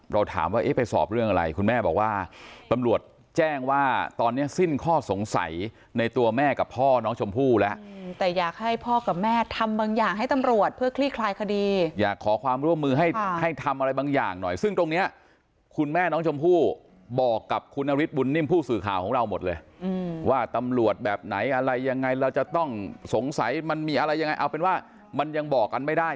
เราถามว่าไปสอบเรื่องอะไรคุณแม่บอกว่าตำรวจแจ้งว่าตอนนี้สิ้นข้อสงสัยในตัวแม่กับพ่อน้องชมพู่แล้วแต่อยากให้พ่อกับแม่ทำบางอย่างให้ตำรวจเพื่อคลี่คลายคดีอยากขอความร่วมมือให้ทำอะไรบางอย่างหน่อยซึ่งตรงนี้คุณแม่น้องชมพู่บอกกับคุณอฤทธิ์บุญนิ่มผู้สื่อข่าวของเราหมดเลยว่าตำรวจแบบไหนอะไรยังไง